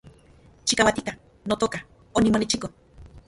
Chikauatika, notoka , onimonechiko